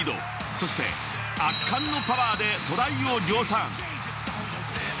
そして圧巻のパワーでトライを量産。